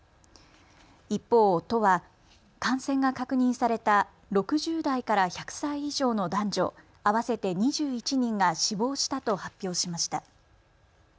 一方、都は感染が確認された６０代から１００歳以上の男女合わせて２１人が死亡したと発表しました。